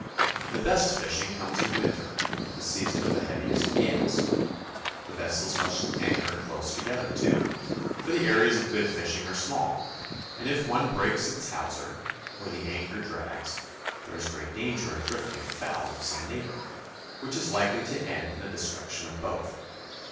The best fishing comes in winter—the season of the heaviest gales. The vessels must anchor close together, too, for the areas of good fishing are small, and if one breaks its hawser, or the anchor drags, there is great danger of drifting afoul of some neighbor, which is likely to end in the destruction of both.